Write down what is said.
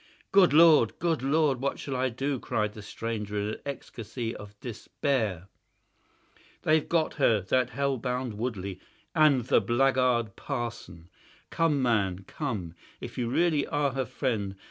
"Good Lord! Good Lord! what shall I do?" cried the stranger, in an ecstasy of despair. "They've got her, that hellhound Woodley and the blackguard parson. Come, man, come, if you really are her friend.